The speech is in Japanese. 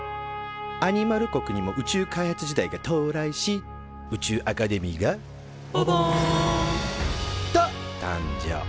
アニマル国にも宇宙開発時代が到来し宇宙アカデミーが「ババン」と誕生。